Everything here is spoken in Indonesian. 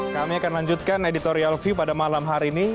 kami akan lanjutkan editorial view pada malam hari ini